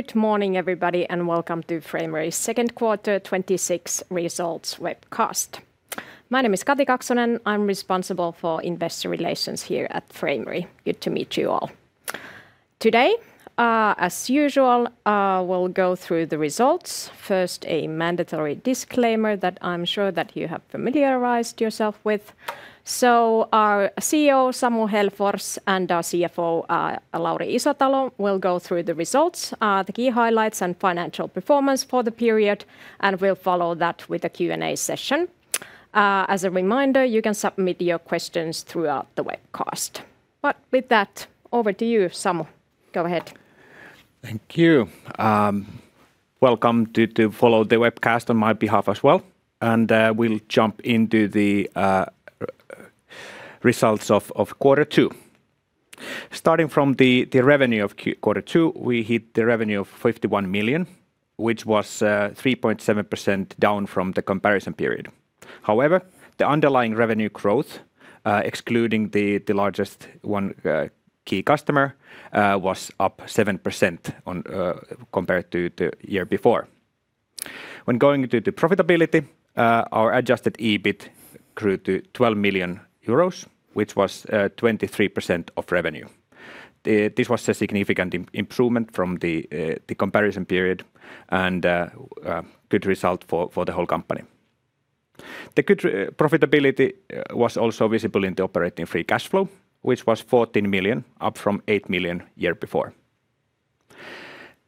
Good morning, everybody, welcome to Framery's second quarter 2026 results webcast. My name is Kati Kaksonen. I am responsible for Investor Relations here at Framery. Good to meet you all. Today, as usual, we will go through the results. First, a mandatory disclaimer that I am sure that you have familiarized yourself with. Our CEO, Samu Hällfors, and our CFO, Lauri Isotalo, will go through the results, the key highlights and financial performance for the period, and we will follow that with a Q&A session. As a reminder, you can submit your questions throughout the webcast. With that, over to you, Samu. Go ahead. Thank you. Welcome to follow the webcast on my behalf as well. We will jump into the results of quarter two. Starting from the revenue of quarter two, we hit the revenue of 51 million, which was 3.7% down from the comparison period. However, the underlying revenue growth, excluding the largest one key customer, was up 7% compared to the year before. When going into the profitability, our adjusted EBIT grew to 12 million euros, which was 23% of revenue. This was a significant improvement from the comparison period and a good result for the whole company. The good profitability was also visible in the operating free cash flow, which was 14 million, up from 8 million the year before.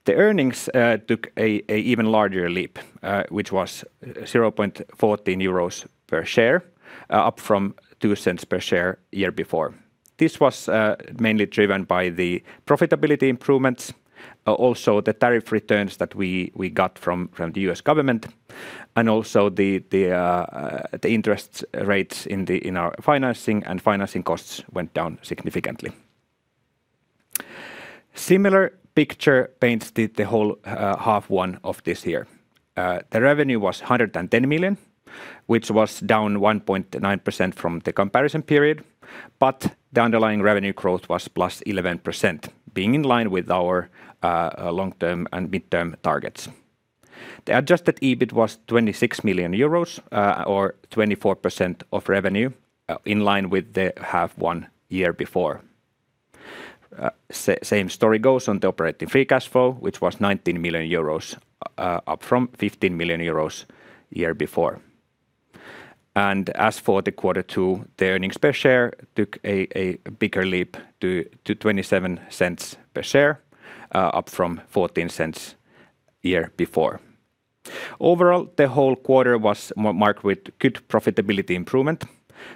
The earnings took an even larger leap, which was 0.14 euros per share, up from 0.02 per share the year before. This was mainly driven by the profitability improvements, also the tariff returns that we got from the U.S. government, and also the interest rates in our financing and financing costs went down significantly. Similar picture paints the whole half one of this year. The revenue was 110 million, which was down 1.9% from the comparison period, but the underlying revenue growth was plus 11%, being in line with our long-term and midterm targets. The adjusted EBIT was 26 million euros, or 24% of revenue, in line with the half one year before. Same story goes on the operating free cash flow, which was 19 million euros, up from 15 million euros the year before. As for the quarter two, the earnings per share took a bigger leap to 0.27 per share, up from 0.14 the year before. Overall, the whole quarter was marked with good profitability improvement,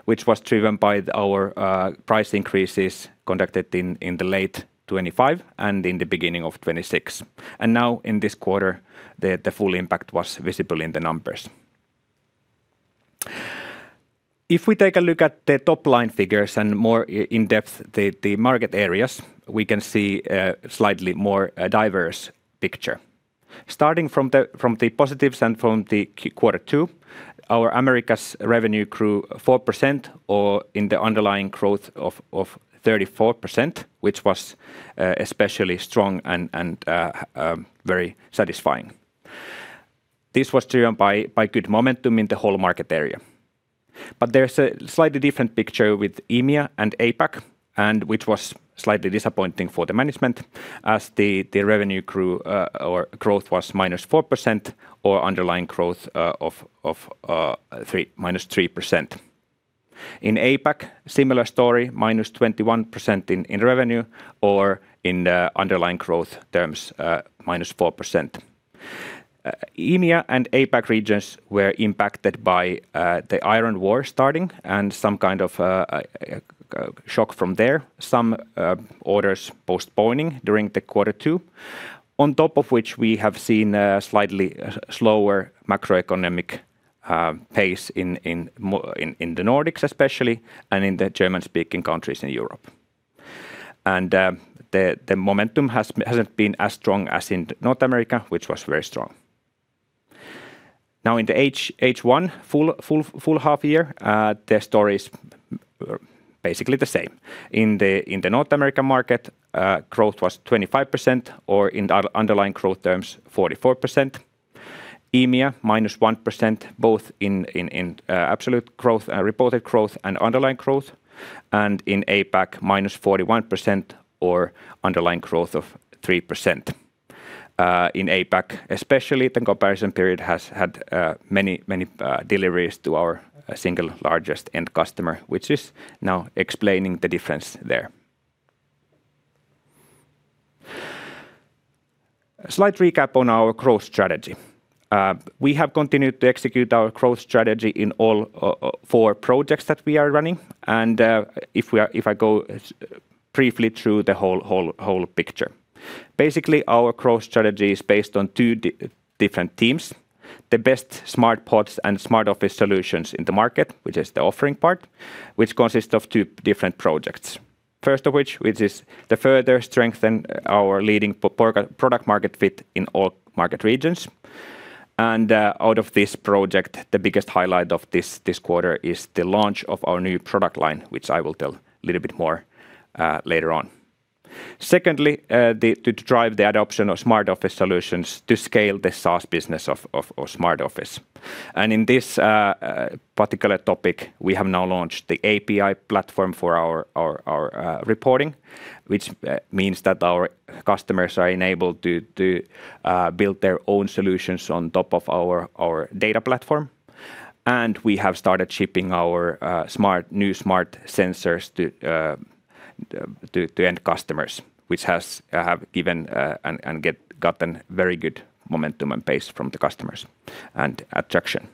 which was driven by our price increases conducted in the late 2025 and in the beginning of 2026. Now in this quarter, the full impact was visible in the numbers. If we take a look at the top-line figures and more in-depth the market areas, we can see a slightly more diverse picture. Starting from the positives and from the quarter two, our Americas revenue grew 4%, or in the underlying growth of 34%, which was especially strong and very satisfying. This was driven by good momentum in the whole market area. There's a slightly different picture with EMEA and APAC, which was slightly disappointing for the management as the revenue growth was -4% or underlying growth of -3%. In APAC, similar story, -21% in revenue or in underlying growth terms, -4%. EMEA and APAC regions were impacted by the Iran war starting and some kind of a shock from there. Some orders postponing during the quarter two. On top of which, we have seen a slightly slower macroeconomic pace in the Nordics especially and in the German-speaking countries in Europe. The momentum hasn't been as strong as in North America, which was very strong. Now in the H1, full half year, the story is basically the same. In the North American market, growth was 25%, or in underlying growth terms, 44%. EMEA, -1%, both in absolute growth, reported growth and underlying growth. In APAC, -41%, or underlying growth of 3%. In APAC especially, the comparison period has had many deliveries to our single largest end customer, which is now explaining the difference there. A slight recap on our growth strategy. We have continued to execute our growth strategy in all four projects that we are running. If I go briefly through the whole picture. Basically, our growth strategy is based on two different teams. The best smart pods and smart office solutions in the market, which is the offering part, which consists of two different projects. First of which is to further strengthen our leading product market fit in all market regions. Out of this project, the biggest highlight of this quarter is the launch of our new product line, which I will tell a little bit more later on. Secondly, to drive the adoption of smart office solutions to scale the SaaS business of Smart Office. In this particular topic, we have now launched the API platform for our reporting, which means that our customers are enabled to build their own solutions on top of our data platform. We have started shipping our new smart sensors to end customers, which have gotten very good momentum and pace from the customers and attraction.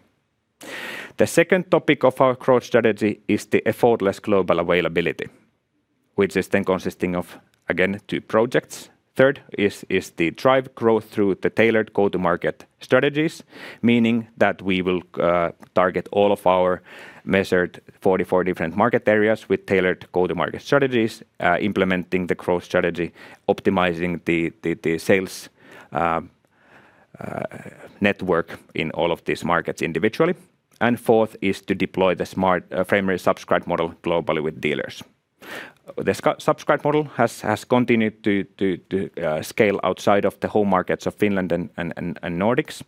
The second topic of our growth strategy is the effortless global availability, which is then consisting of, again, two projects. Third is the drive growth through the tailored go-to-market strategies, meaning that we will target all of our measured 44 different market areas with tailored go-to-market strategies, implementing the growth strategy, optimizing the sales network in all of these markets individually. Fourth is to deploy the Framery Subscribed model globally with dealers. The subscribe model has continued to scale outside of the home markets of Finland and Nordics.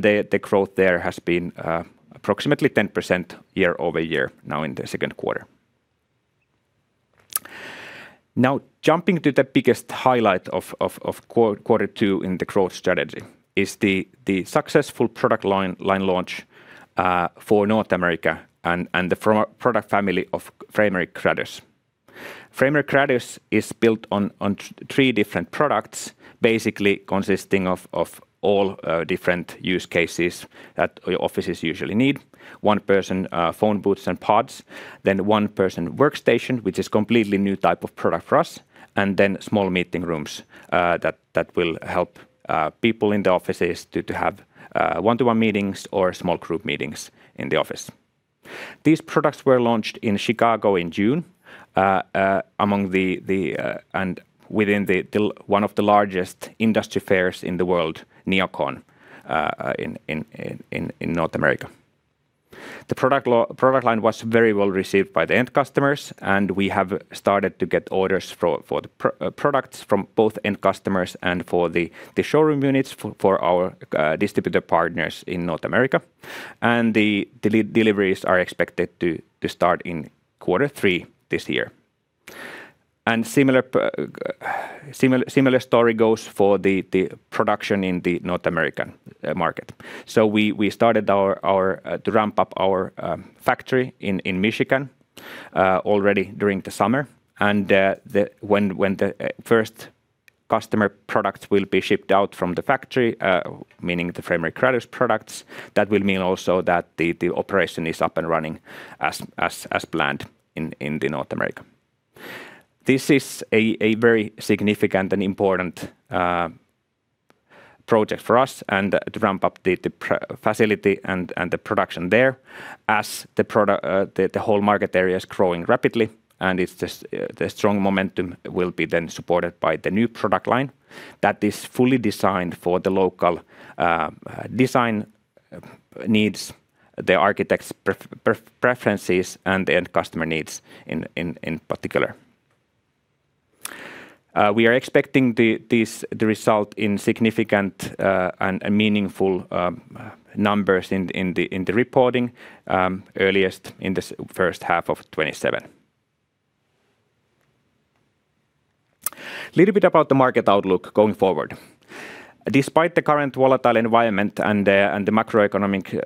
The growth there has been approximately 10% year-over-year now in the second quarter. Now jumping to the biggest highlight of quarter two in the growth strategy is the successful product line launch for North America and the product family of Framery Gradus. Framery Gradus is built on three different products, basically consisting of all different use cases that offices usually need. One person phone booths and pods, then One person workstation, which is completely new type of product for us, and then small meeting rooms that will help people in the offices to have one-to-one meetings or small group meetings in the office. These products were launched in Chicago in June, within one of the largest industry fairs in the world, NeoCon, in North America. The product line was very well received by the end customers, and we have started to get orders for the products from both end customers and for the showroom units for our distributor partners in North America. The deliveries are expected to start in quarter three this year. Similar story goes for the production in the North American market. We started to ramp up our factory in Michigan already during the summer. When the first customer product will be shipped out from the factory, meaning the Framery Gradus products, that will mean also that the operation is up and running as planned in the North America. This is a very significant and important project for us and to ramp-up the facility and the production there as the whole market area is growing rapidly and the strong momentum will be then supported by the new product line that is fully designed for the local design needs, the architect's preferences, and the end customer needs in particular. We are expecting the result in significant and meaningful numbers in the reporting earliest in the first half of 2027. Little bit about the market outlook going forward. Despite the current volatile environment and the macroeconomic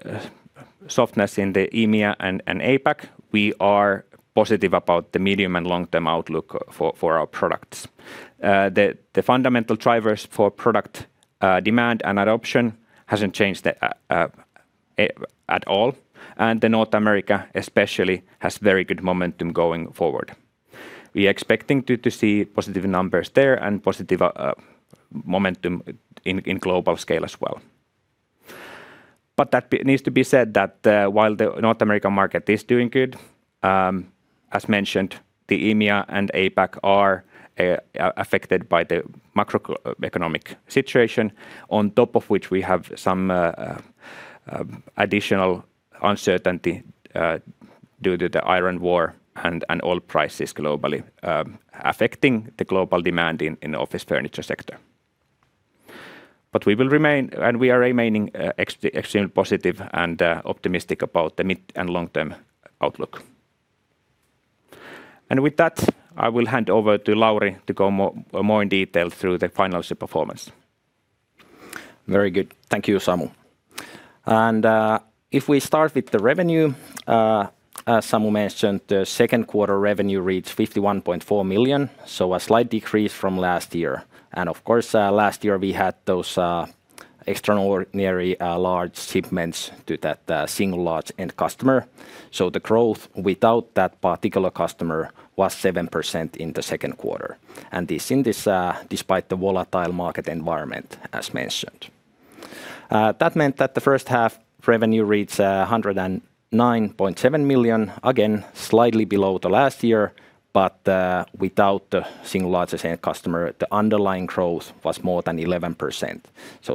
softness in the EMEA and APAC, we are positive about the medium- and long-term outlook for our products. The fundamental drivers for product demand and adoption hasn't changed at all, and the North America especially has very good momentum going forward. We are expecting to see positive numbers there and positive momentum in global scale as well. That needs to be said that while the North American market is doing good, as mentioned, the EMEA and APAC are affected by the macroeconomic situation, on top of which we have some additional uncertainty due to the Iran war and oil prices globally affecting the global demand in office furniture sector. We are remaining extremely positive and optimistic about the mid- and long-term outlook. With that, I will hand over to Lauri to go more in detail through the financial performance. Very good. Thank you, Samu. If we start with the revenue, as Samu mentioned, the second quarter revenue reached 51.4 million, so a slight decrease from last year. Of course, last year we had those extraordinary large shipments to that single large end customer. The growth without that particular customer was 7% in the second quarter, and this despite the volatile market environment as mentioned. That meant that the first half revenue reached 109.7 million. Again, slightly below the last year, but without the single largest customer, the underlying growth was more than 11%.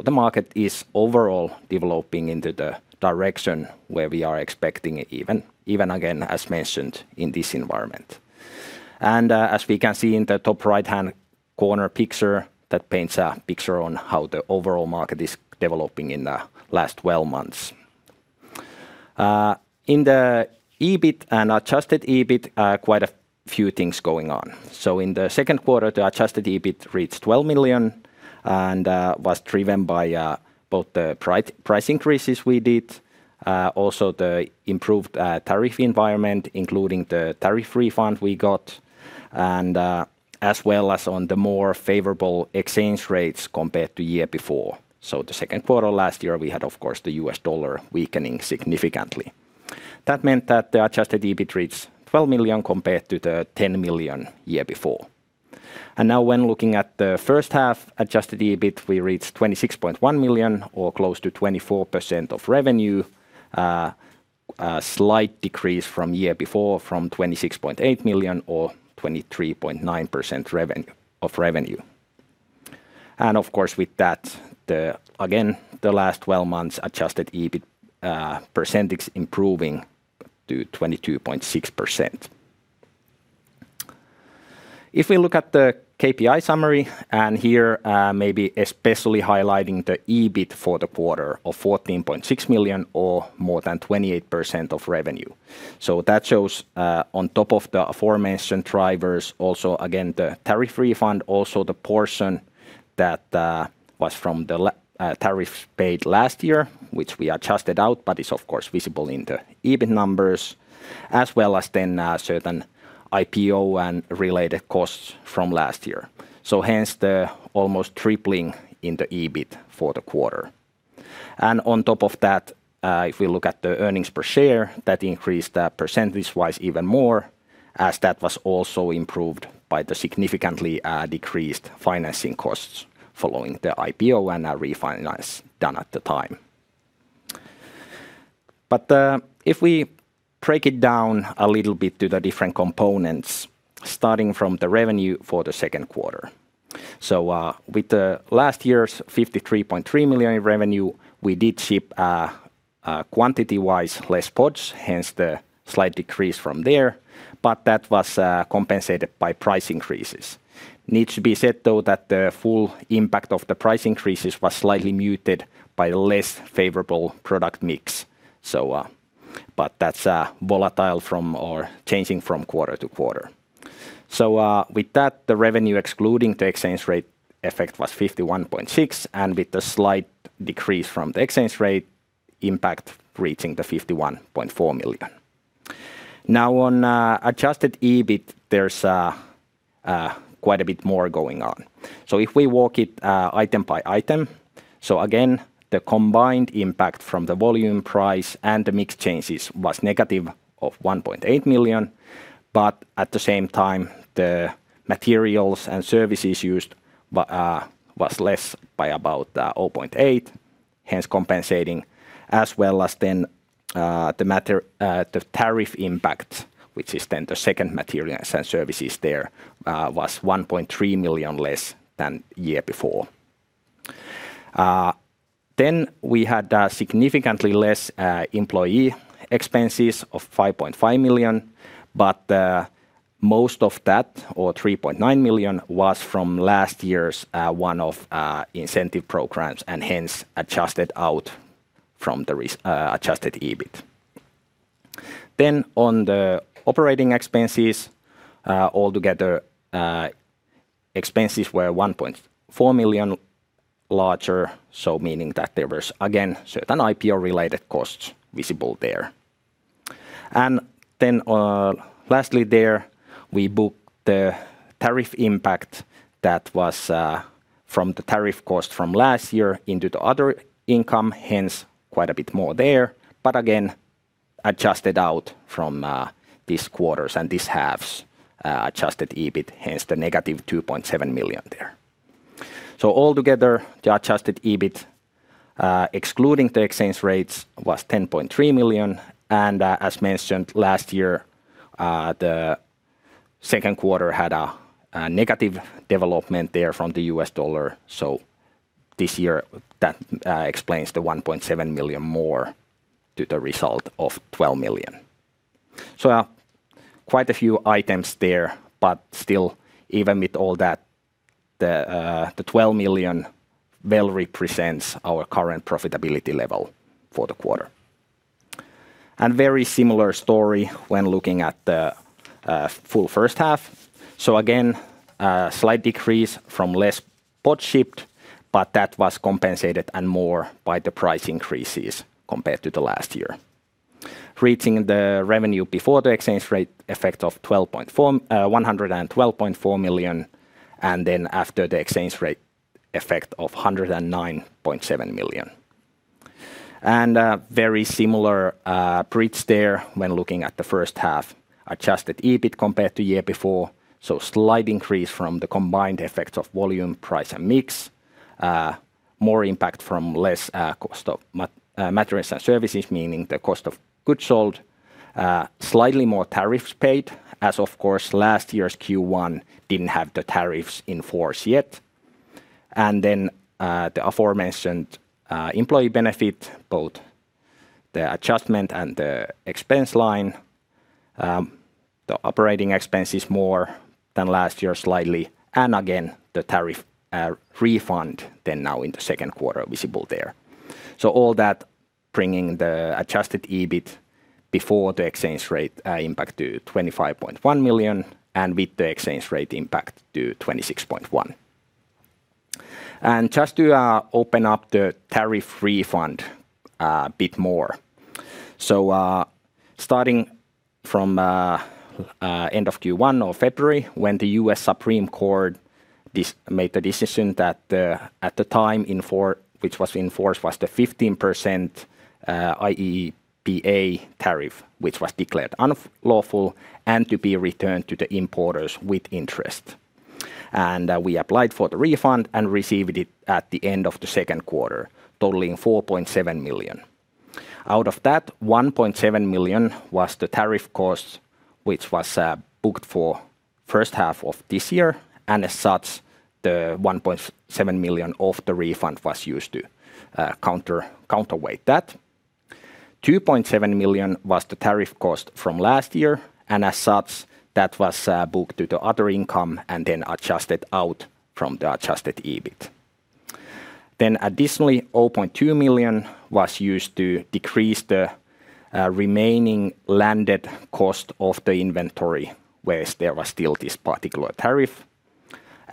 The market is overall developing into the direction where we are expecting it, even again, as mentioned, in this environment. As we can see in the top right-hand corner picture, that paints a picture on how the overall market is developing in the last 12 months. In the EBIT and adjusted EBIT, quite a few things going on. In the second quarter, the adjusted EBIT reached 12 million and was driven by both the price increases we did, also the improved tariff environment, including the tariff refund we got, as well as on the more favorable exchange rates compared to year before. The second quarter last year, we had, of course, the U.S. dollar weakening significantly. That meant that the adjusted EBIT reached 12 million compared to the 10 million year before. Now when looking at the first half adjusted EBIT, we reached 26.1 million or close to 24% of revenue. A slight decrease from year before from 26.8 million or 23.9% of revenue. Of course, with that, again, the last 12 months adjusted EBIT percentage improving to 22.6%. If we look at the KPI summary, here maybe especially highlighting the EBIT for the quarter of 14.6 million or more than 28% of revenue. That shows on top of the aforementioned drivers, also again, the tariff refund, also the portion that was from the tariffs paid last year, which we adjusted out, but is of course visible in the EBIT numbers, as well as certain IPO and related costs from last year. Hence the almost tripling in the EBIT for the quarter. On top of that, if we look at the earnings per share, that increased percentage-wise even more, as that was also improved by the significantly decreased financing costs following the IPO and refinance done at the time. If we break it down a little bit to the different components, starting from the revenue for the second quarter. With the last year's 53.3 million in revenue, we did ship quantity-wise less pods, hence the slight decrease from there, but that was compensated by price increases. It needs to be said, though, that the full impact of the price increases was slightly muted by less favorable product mix. That's volatile or changing from quarter-to-quarter. With that, the revenue excluding the exchange rate effect was 51.6 million, and with the slight decrease from the exchange rate impact reaching the 51.4 million. On adjusted EBIT, there's quite a bit more going on. If we walk it item by item. Again, the combined impact from the volume price and the mix changes was -1.8 million, but at the same time, the materials and services used was less by about 0.8 million, hence compensating, as well as the tariff impact, which is the second material and services there, was 1.3 million less than the year before. We had significantly less employee expenses of 5.5 million, but most of that, or 3.9 million, was from last year's one-off incentive programs and hence adjusted out from the adjusted EBIT. On the operating expenses, altogether, expenses were 1.4 million larger, meaning that there was again certain IPO-related costs visible there. Lastly there, we booked the tariff impact that was from the tariff cost from last year into the other income, hence quite a bit more there, but again, adjusted out from this quarter's and this half's adjusted EBIT, hence the -2.7 million there. Altogether, the adjusted EBIT, excluding the exchange rates, was 10.3 million, and as mentioned last year, the second quarter had a negative development there from the U.S. dollar. This year, that explains the 1.7 million more to the result of 12 million. Quite a few items there, but still, even with all that, the 12 million well represents our current profitability level for the quarter. Very similar story when looking at the full first half. Again, a slight decrease from less pods shipped, but that was compensated and more by the price increases compared to the last year. Reaching the revenue before the exchange rate effect of 112.4 million after the exchange rate effect of 109.7 million. Very similar bridge there when looking at the first half adjusted EBIT compared to year before. Slight increase from the combined effects of volume, price, and mix. More impact from less cost of materials and services, meaning the cost of goods sold. Slightly more tariffs paid as, of course, last year's Q1 didn't have the tariffs in force yet. The aforementioned employee benefit, both the adjustment and the expense line. The operating expense is more than last year slightly. Again, the tariff refund now into second quarter visible there. All that bringing the adjusted EBIT before the exchange rate impact to 25.1 million, with the exchange rate impact to 26.1 million. Just to open up the tariff refund a bit more. Starting from end of Q1 or February, when the U.S. Supreme Court made the decision that at the time, which was enforced, was the 15% IEEPA tariff, which was declared unlawful and to be returned to the importers with interest. We applied for the refund and received it at the end of the second quarter, totaling 4.7 million. Out of that, 1.7 million was the tariff cost, which was booked for first half of this year, and as such, the 1.7 million of the refund was used to counterweight that. 2.7 million was the tariff cost from last year, and as such, that was booked to the other income adjusted out from the adjusted EBIT. Additionally, 0.2 million was used to decrease the remaining landed cost of the inventory, whereas there was still this particular tariff.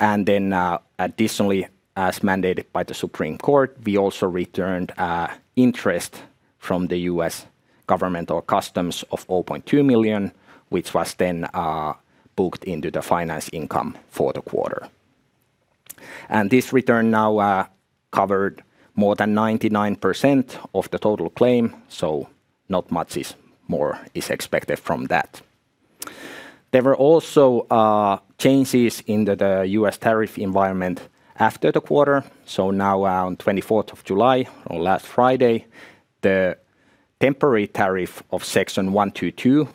Additionally, as mandated by the Supreme Court, we also returned interest from the U.S. government or customs of 0.2 million, which was then booked into the finance income for the quarter. This return now covered more than 99% of the total claim, not much more is expected from that. There were also changes in the U.S. tariff environment after the quarter. Now on 24th of July, or last Friday, the temporary tariff of Section 122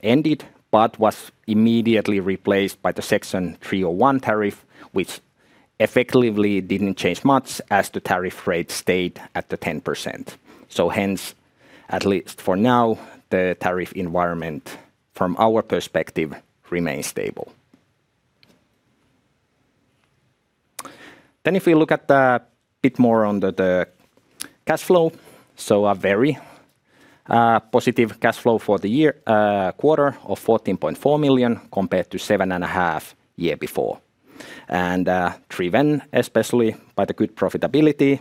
ended, but was immediately replaced by the Section 301 tariff, which effectively didn't change much as the tariff rate stayed at the 10%. Hence, at least for now, the tariff environment from our perspective remains stable. If we look at a bit more on the cash flow. A very positive cash flow for the quarter of 14.4 million, compared to 7.5 million year before. Driven especially by the good profitability,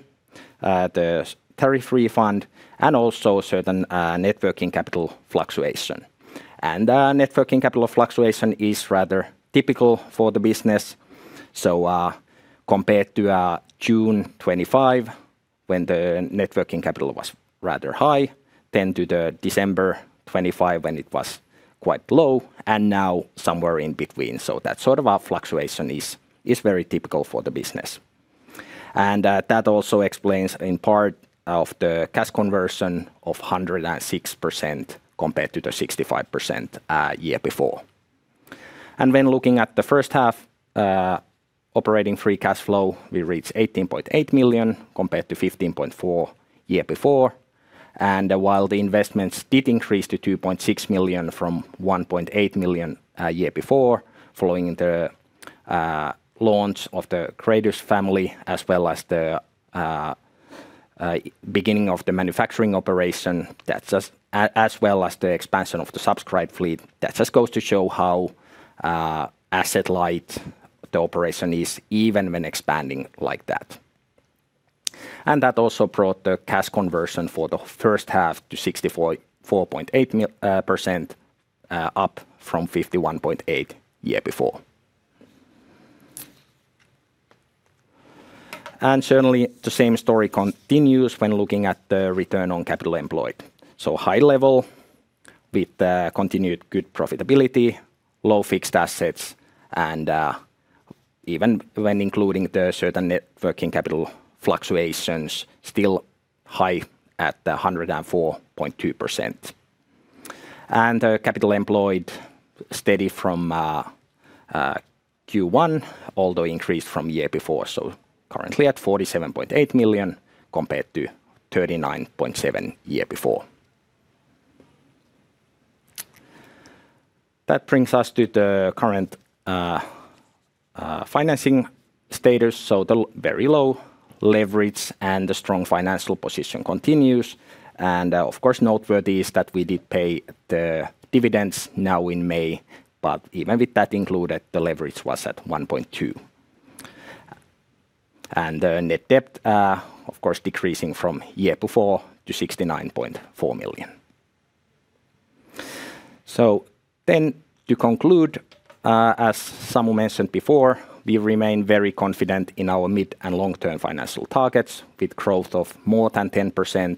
the tariff refund, and also certain networking capital fluctuation. Networking capital fluctuation is rather typical for the business. Compared to June 2025, when the networking capital was rather high, then to the December 2025 when it was quite low, and now somewhere in between. That sort of a fluctuation is very typical for the business. That also explains in part of the cash conversion of 106% compared to the 65% year before. When looking at the first half operating free cash flow, we reached 18.8 million compared to 15.4 million year before. While the investments did increase to 2.6 million from 1.8 million year before, following the launch of the Gradus family, as well as the beginning of the manufacturing operation, as well as the expansion of the Framery Subscribed fleet, that just goes to show how asset light the operation is, even when expanding like that. That also brought the cash conversion for the first half to 64.8%, up from 51.8% year before. Certainly, the same story continues when looking at the return on capital employed. High level with continued good profitability, low fixed assets, and even when including the certain networking capital fluctuations, still high at 104.2%. The capital employed steady from Q1, although increased from year before. Currently at 47.8 million, compared to 39.7 million year before. That brings us to the current financing status. The very low leverage and the strong financial position continues. Of course, noteworthy is that we did pay the dividends now in May, but even with that included, the leverage was at 1.2x. The net debt, of course, decreasing from year before to 69.4 million. To conclude, as Samu mentioned before, we remain very confident in our mid- and long-term financial targets with growth of more than 10%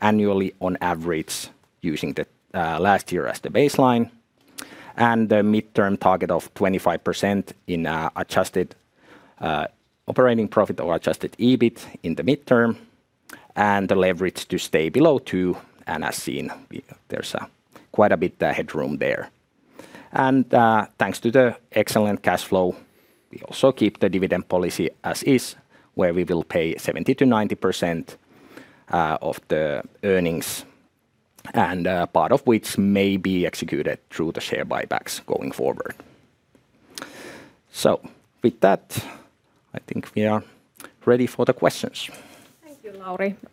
annually on average using last year as the baseline, and the midterm target of 25% in adjusted operating profit or adjusted EBIT in the midterm, and the leverage to stay below 2x. As seen, there's quite a bit of headroom there. Thanks to the excellent cash flow, we also keep the dividend policy as is, where we will pay 70%-90% of the earnings, and part of which may be executed through the share buybacks going forward. With that, I think we are ready for the questions. Thank you,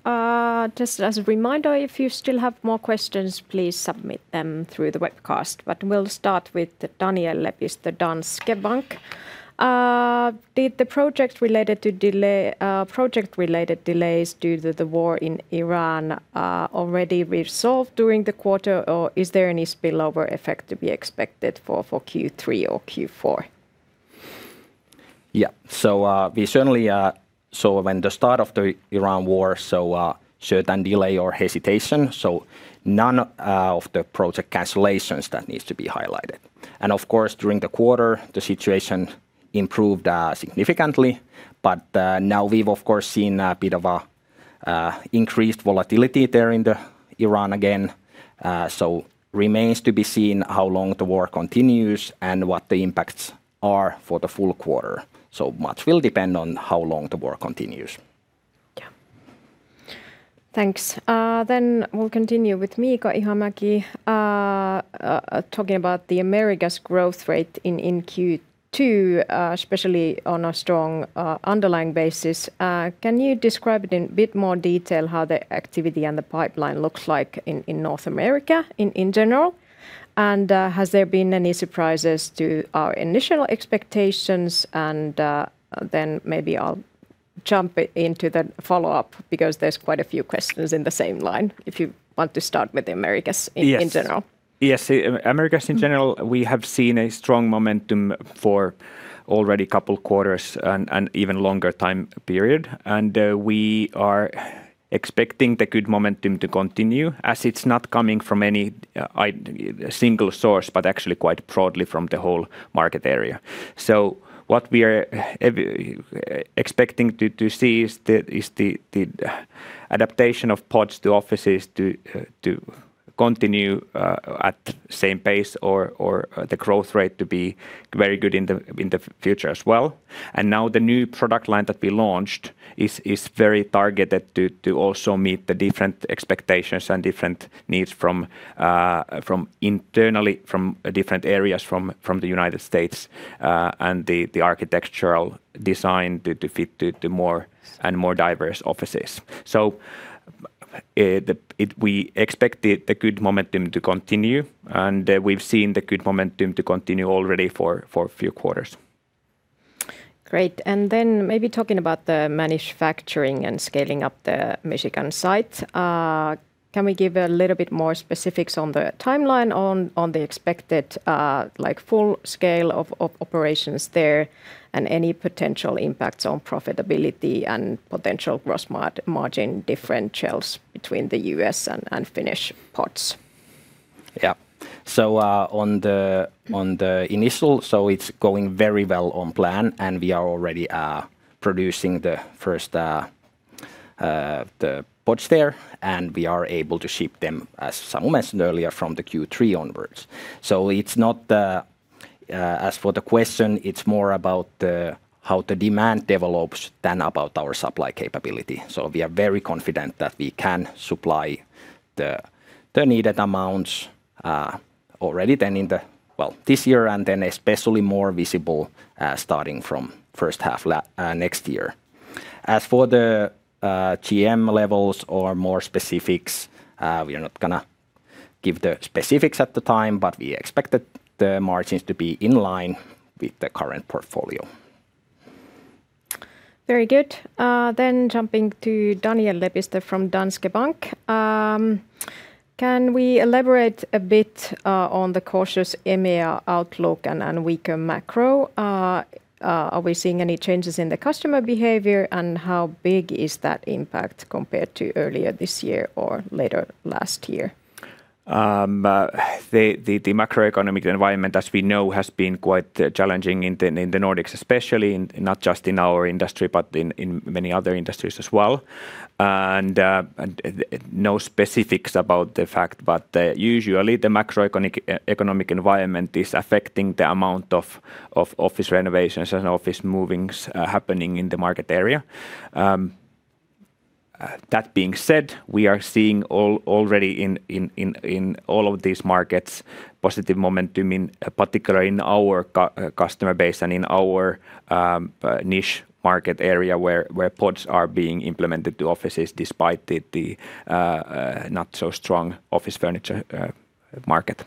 Lauri. Just as a reminder, if you still have more questions, please submit them through the webcast. We'll start with Daniel Lepistö, Danske Bank. Did the project-related delays due to the Iran war already resolve during the quarter, or is there any spillover effect to be expected for Q3 or Q4? Yeah. When the start of the Iran war showed an delay or hesitation. None of the project cancellations that needs to be highlighted. Of course, during the quarter, the situation improved significantly. Now we've, of course, seen a bit of increased volatility there in Iran again. Remains to be seen how long the war continues and what the impacts are for the full quarter. Much will depend on how long the war continues. Yeah. Thanks. We'll continue with Miika Ihamäki talking about the Americas' growth rate in Q2, especially on a strong underlying basis. Can you describe it in a bit more detail how the activity and the pipeline looks like in North America in general? Has there been any surprises to our initial expectations? Maybe I'll jump into the follow-up, because there's quite a few questions in the same line. If you want to start with the Americas- Yes in general. Yes. Americas in general, we have seen a strong momentum for already couple quarters and even longer time period. We are expecting the good momentum to continue as it's not coming from any single source, but actually quite broadly from the whole market area. What we are expecting to see is the adaptation of pods to offices to continue at same pace or the growth rate to be very good in the future as well. Now the new product line that we launched is very targeted to also meet the different expectations and different needs from internally, from different areas from the U.S. The architectural design to fit to more and more diverse offices. We expect the good momentum to continue, and we've seen the good momentum to continue already for a few quarters. Great. Maybe talking about the manufacturing and scaling up the Michigan site. Can we give a little bit more specifics on the timeline on the expected full scale of operations there and any potential impacts on profitability and potential gross margin differentials between the U.S. and Finnish pods? Yeah. On the initial, it's going very well on plan, and we are already producing the first pods there. We are able to ship them, as Samu mentioned earlier, from the Q3 onwards. As for the question, it's more about how the demand develops than about our supply capability. We are very confident that we can supply the needed amounts already. Well, this year and especially more visible starting from first half next year. As for the GM levels or more specifics, we are not going to give the specifics at the time, but we expect the margins to be in line with the current portfolio. Very good. Jumping to Daniel Lepistö from Danske Bank. Can we elaborate a bit on the cautious EMEA outlook and weaker macro? Are we seeing any changes in the customer behavior, and how big is that impact compared to earlier this year or later last year? The macroeconomic environment, as we know, has been quite challenging in the Nordics especially, not just in our industry, but in many other industries as well. No specifics about the fact, but usually the macroeconomic environment is affecting the amount of office renovations and office movings happening in the market area. That being said, we are seeing already in all of these markets, positive momentum, in particular in our customer base and in our niche market area where pods are being implemented to offices despite the not so strong office furniture market.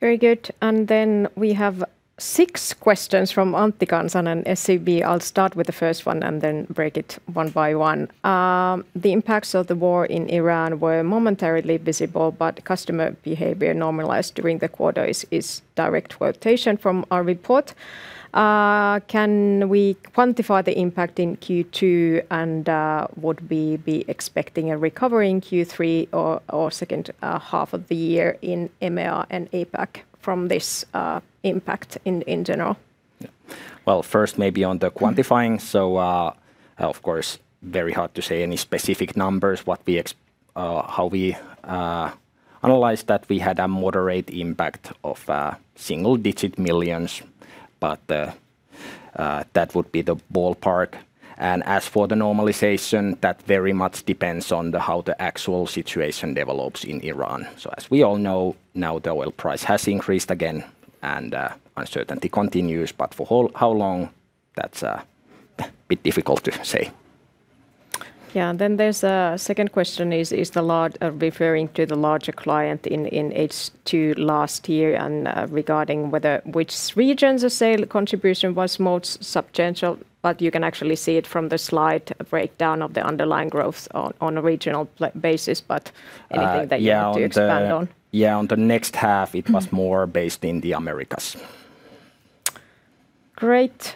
Very good. We have six questions from Antti Kansanen and SEB. I'll start with the first one and then break it one by one. The impacts of the war in Iran were momentarily visible, but customer behavior normalized during the quarter. That is direct quotation from our report. Can we quantify the impact in Q2, and would we be expecting a recovery in Q3 or second half of the year in EMEA and APAC from this impact in general? First maybe on the quantifying. Of course, very hard to say any specific numbers. How we analyzed that, we had a moderate impact of EUR single digit millions, but that would be the ballpark. As for the normalization, that very much depends on how the actual situation develops in Iran. As we all know now, the oil price has increased again, and uncertainty continues, but for how long, that's a bit difficult to say. There's a second question is the large referring to the larger client in H2 last year and regarding which regions the sale contribution was most substantial. You can actually see it from the slide breakdown of the underlying growth on a regional basis, but anything that you want to expand on. Yeah. On the next half, it was more based in the Americas. Great.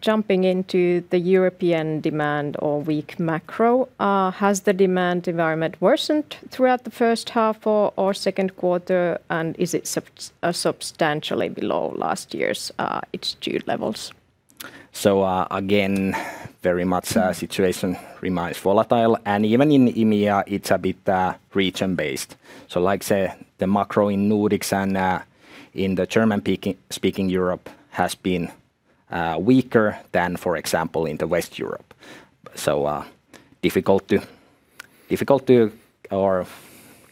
Jumping into the European demand or weak macro. Has the demand environment worsened throughout the first half or second quarter and is it substantially below last year's H2 levels? Again, very much situation remains volatile. Even in EMEA, it's a bit region-based. Like say the macro in Nordics and in the German-speaking Europe has been weaker than, for example, in the West Europe. Difficult to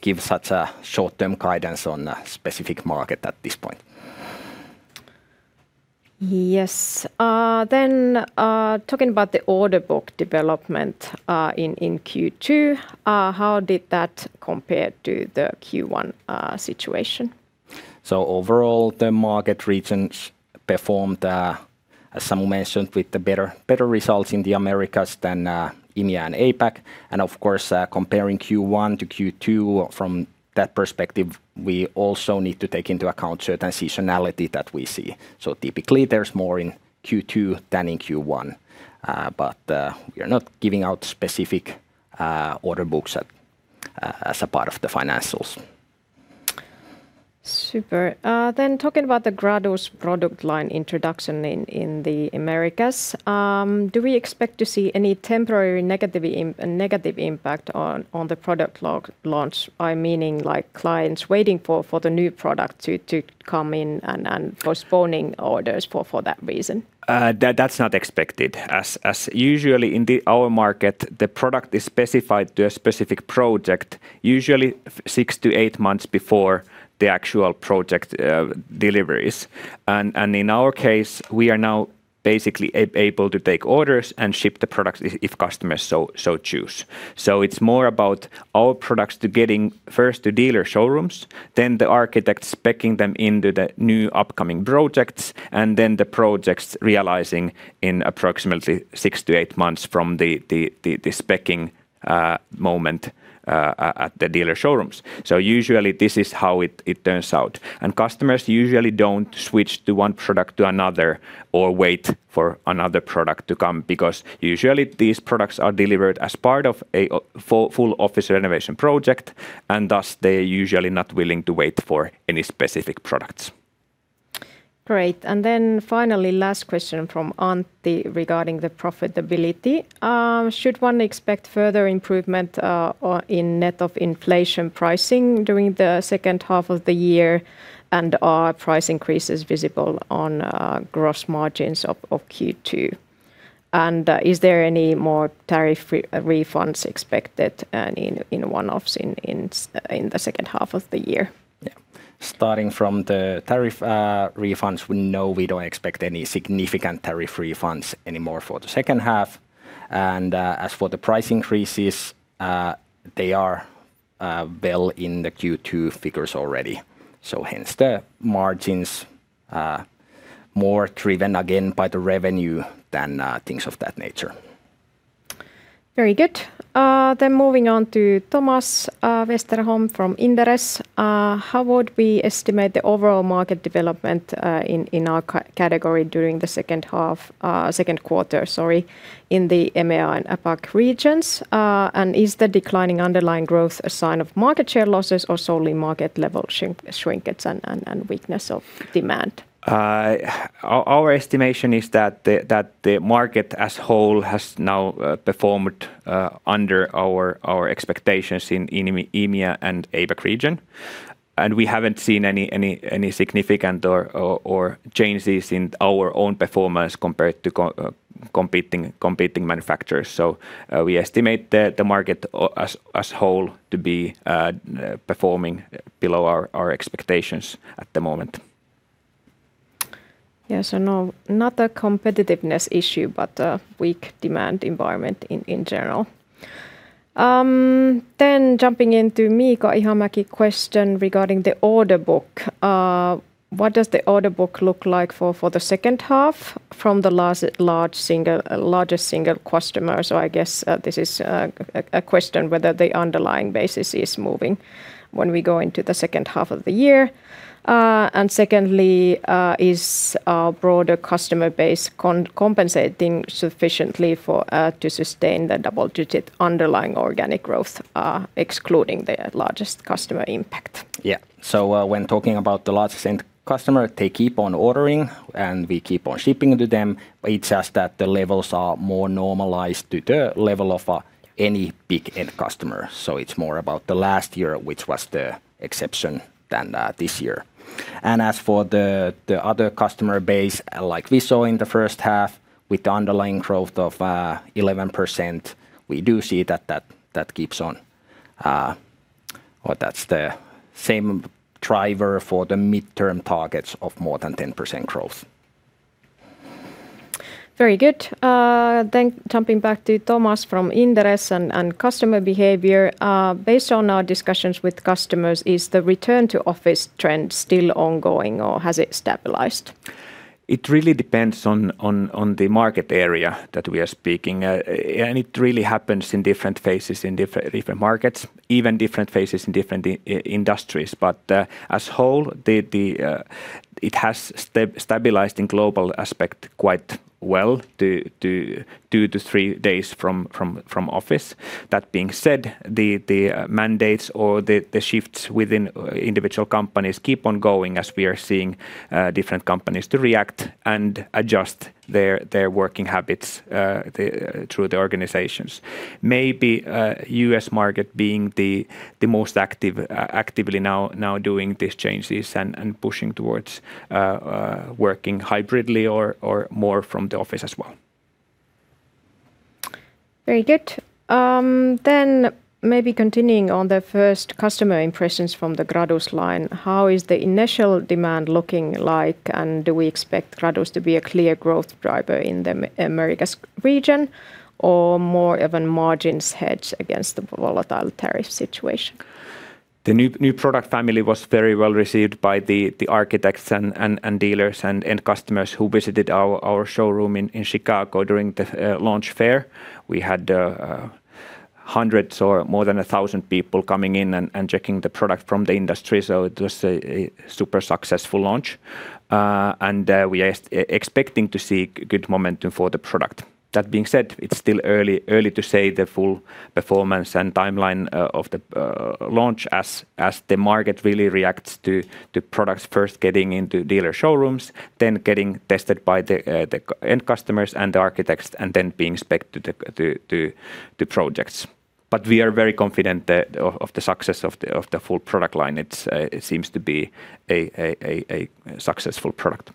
give such a short-term guidance on a specific market at this point. Yes. Talking about the order book development in Q2, how did that compare to the Q1 situation? Overall, the market regions performed, as Samu mentioned, with the better results in the Americas than EMEA and APAC. Of course, comparing Q1 to Q2 from that perspective, we also need to take into account certain seasonality that we see. Typically, there's more in Q2 than in Q1. We are not giving out specific order books as a part of the financials. Super. Talking about the Gradus product line introduction in the Americas, do we expect to see any temporary negative impact on the product launch? I'm meaning clients waiting for the new product to come in and postponing orders for that reason. That's not expected. As usually in our market, the product is specified to a specific project, usually six to eight months before the actual project deliveries. In our case, we are now basically able to take orders and ship the products if customers so choose. It's more about our products getting first to dealer showrooms, then the architects speccing them into the new upcoming projects, and then the projects realizing in approximately six to eight months from the speccing moment at the dealer showrooms. Usually, this is how it turns out. Customers usually don't switch to one product to another or wait for another product to come, because usually these products are delivered as part of a full office renovation project, and thus they are usually not willing to wait for any specific products. Great. Finally, last question from Antti regarding the profitability. Should one expect further improvement in net of inflation pricing during the second half of the year? Are price increases visible on gross margins of Q2? Is there any more tariff refunds expected in one-offs in the second half of the year? Yeah. Starting from the tariff refunds, we know we don't expect any significant tariff refunds anymore for the second half. As for the price increases, they are well in the Q2 figures already. Hence the margins more driven again by the revenue than things of that nature. Very good. Moving on to Thomas Westerholm from Inderes. How would we estimate the overall market development in our category during the second quarter in the EMEA and APAC regions? Is the declining underlying growth a sign of market share losses or solely market level shrinkages and weakness of demand? Our estimation is that the market as whole has now performed under our expectations in EMEA and APAC region. We haven't seen any significant changes in our own performance compared to competing manufacturers. We estimate the market as whole to be performing below our expectations at the moment. Yes. Not a competitiveness issue, but a weak demand environment in general. Jumping into Miika Ihamäki question regarding the order book. What does the order book look like for the second half from the largest single customer? I guess this is a question whether the underlying basis is moving when we go into the second half of the year. Secondly, is our broader customer base compensating sufficiently to sustain the double-digit underlying organic growth, excluding the largest customer impact? Yeah. When talking about the largest end customer, they keep on ordering, and we keep on shipping to them. It's just that the levels are more normalized to the level of any big end customer. It's more about the last year, which was the exception, than this year. As for the other customer base, like we saw in the first half with the underlying growth of 11%, we do see that keeps on. That's the same driver for the mid-term targets of more than 10% growth. Very good. Jumping back to Thomas from Inderes on customer behavior. Based on our discussions with customers, is the return-to-office trend still ongoing, or has it stabilized? It really depends on the market area that we are speaking. It really happens in different phases in different markets, even different phases in different industries. As whole, it has stabilized in global aspect quite well to two to three days from office. That being said, the mandates or the shifts within individual companies keep on going as we are seeing different companies to react and adjust their working habits through the organizations. Maybe U.S. market being the most actively now doing these changes and pushing towards working hybridly or more from the office as well. Very good. Maybe continuing on the first customer impressions from the Gradus line, how is the initial demand looking like, and do we expect Gradus to be a clear growth driver in the Americas region? More of a margins hedge against the volatile tariff situation? The new product family was very well received by the architects and dealers and end customers who visited our showroom in Chicago during the launch fair. We had hundreds or more than 1,000 people coming in and checking the product from the industry, so it was a super successful launch. We are expecting to see good momentum for the product. That being said, it is still early to say the full performance and timeline of the launch as the market really reacts to products first getting into dealer showrooms, then getting tested by the end customers and the architects, and then being specced to the projects. We are very confident of the success of the full product line. It seems to be a successful product.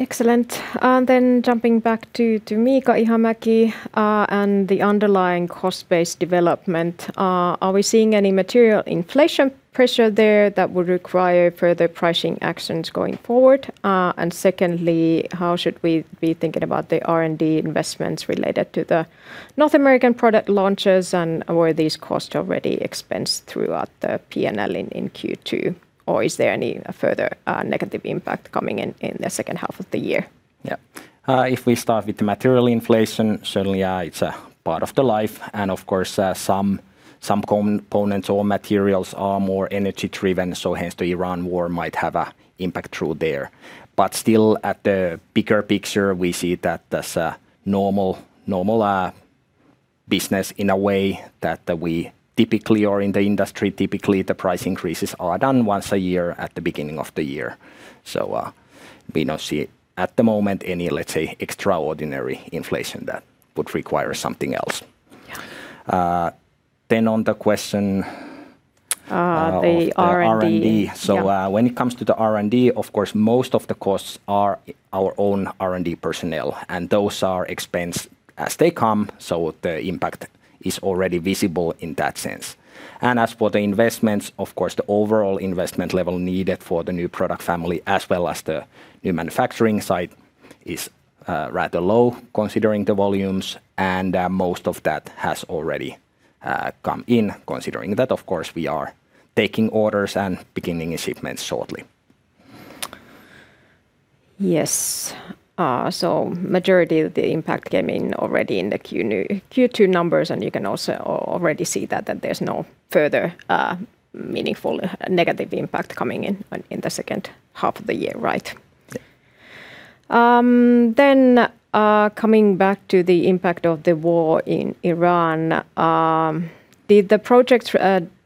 Excellent. Then jumping back to Miika Ihamäki on the underlying cost base development. Are we seeing any material inflation pressure there that would require further pricing actions going forward? Secondly, how should we be thinking about the R&D investments related to the North American product launches, and were these costs already expensed throughout the P&L in Q2? Is there any further negative impact coming in in the second half of the year? Yeah. If we start with the material inflation, certainly, it is a part of the life. Of course, some components or materials are more energy-driven, so hence the Iran war might have a impact through there. Still at the bigger picture, we see that that is a normal business in a way that we typically are in the industry. Typically, the price increases are done once a year at the beginning of the year. We do not see at the moment any, let's say, extraordinary inflation that would require something else. Yeah. On the question of- The R&D the R&D. Yeah. When it comes to the R&D, of course, most of the costs are our own R&D personnel, and those are expensed as they come, so the impact is already visible in that sense. As for the investments, of course, the overall investment level needed for the new product family as well as the new manufacturing site is rather low considering the volumes. Most of that has already come in. Considering that, of course, we are taking orders and beginning shipments shortly. Yes. Majority of the impact came in already in the Q2 numbers, and you can also already see that there's no further meaningful negative impact coming in in the second half of the year, right? Yeah. Coming back to the impact of the Iran war. Did the project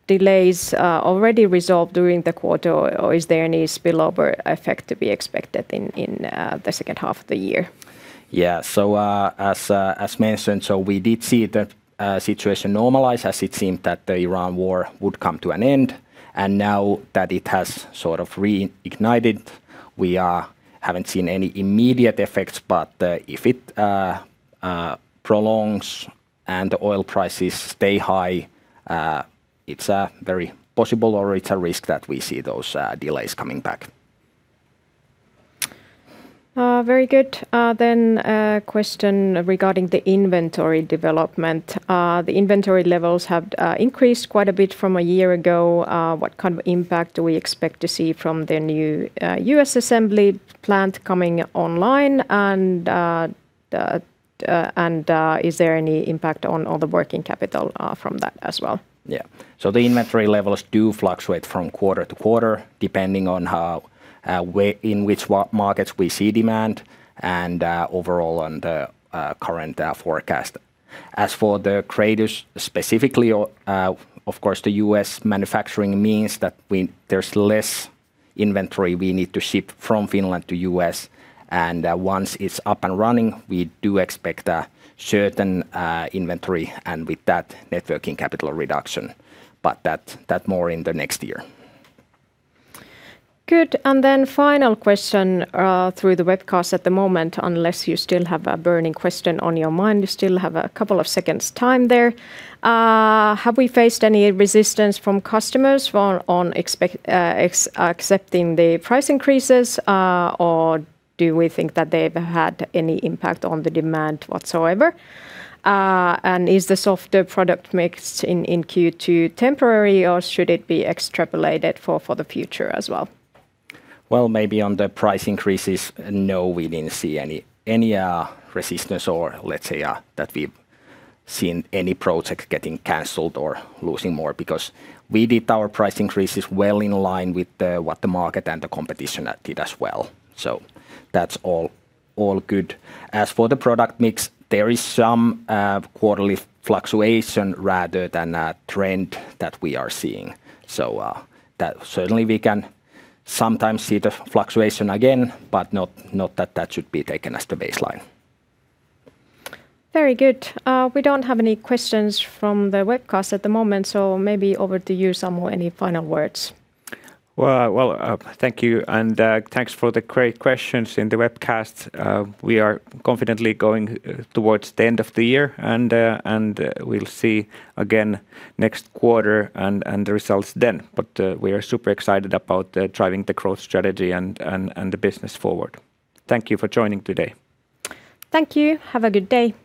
delays already resolve during the quarter, or is there any spillover effect to be expected in the second half of the year? As mentioned, we did see the situation normalize as it seemed that the Iran war would come to an end. Now that it has sort of reignited, we haven't seen any immediate effects. If it prolongs and oil prices stay high, it's very possible, or it's a risk that we see those delays coming back. Very good. A question regarding the inventory development. The inventory levels have increased quite a bit from a year ago. What kind of impact do we expect to see from the new U.S. assembly plant coming online? Is there any impact on the working capital from that as well? The inventory levels do fluctuate from quarter-to-quarter, depending on in which markets we see demand, and overall on the current forecast. As for the Gradus specifically, of course, the U.S. manufacturing means that there's less inventory we need to ship from Finland to U.S.. Once it's up and running, we do expect a certain inventory, and with that, net working capital reduction, but that more in the next year. Final question through the webcast at the moment, unless you still have a burning question on your mind. You still have a couple of seconds' time there. Have we faced any resistance from customers on accepting the price increases? Do we think that they've had any impact on the demand whatsoever? Is the softer product mix in Q2 temporary, or should it be extrapolated for the future as well? Well, maybe on the price increases, no, we didn't see any resistance or let's say that we've seen any projects getting canceled or losing more, because we did our price increases well in line with what the market and the competition did as well. That's all good. As for the product mix, there is some quarterly fluctuation rather than a trend that we are seeing. Certainly we can sometimes see the fluctuation again, but not that that should be taken as the baseline. Very good. We don't have any questions from the webcast at the moment, maybe over to you, Samu. Any final words? Well, thank you, and thanks for the great questions in the webcast. We are confidently going towards the end of the year, and we'll see again next quarter and the results then. We are super excited about driving the growth strategy and the business forward. Thank you for joining today. Thank you. Have a good day